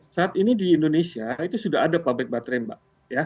saat ini di indonesia itu sudah ada pabrik baterai mbak